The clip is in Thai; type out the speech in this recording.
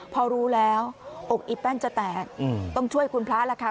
พอรู้แล้วอกอีแป้นจะแตกต้องช่วยคุณพระล่ะค่ะ